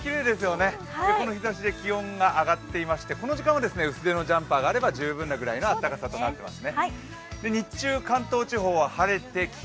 この日ざしで気温が上がっていましてこの時間は薄手のジャンパーがあれば十分なくらいの暖かさになっています。